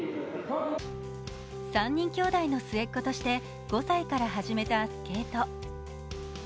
３人きょうだいの末っ子として５歳から始めたスケート。